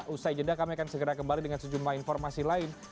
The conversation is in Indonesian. usai jeda kami akan segera kembali dengan sejumlah informasi lain